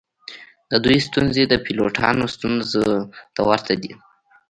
د دوی ستونزې د پیلوټانو ستونزو ته ورته دي